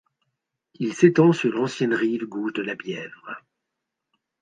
Il s'étend sur l'ancienne rive gauche de la Bièvre.